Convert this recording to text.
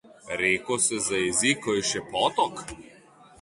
Reko se zajezi, ko je še potok.